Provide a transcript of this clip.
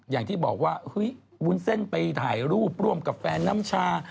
อย่างที่บอกว่าเฮ้ยวุ้นเส้นไปถ่ายรูปร่วมกับแฟนน้ำชา